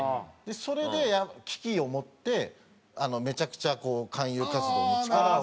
それで危機を持ってめちゃくちゃ勧誘活動に力を。